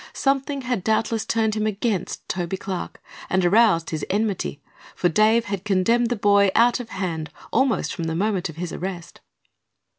Something had doubtless turned him against Toby Clark and aroused his enmity, for Dave had condemned the boy out of hand almost from the moment of his arrest.